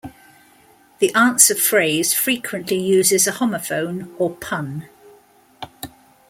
The answer phrase frequently uses a homophone or pun.